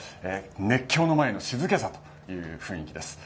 熱狂の前の静けさという雰囲気です。